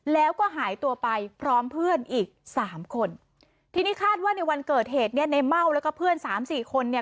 แล้วก็หายตัวไปพร้อมเพื่อนอีกสามคนทีนี้คาดว่าในวันเกิดเหตุเนี่ยในเม่าแล้วก็เพื่อนสามสี่คนเนี่ย